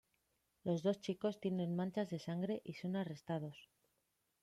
Los dos chicos tienen manchas de sangre y son arrestados.